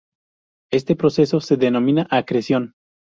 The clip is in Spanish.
Este proceso se denomina acreción.